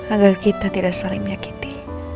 agar kita tidak saling menyakiti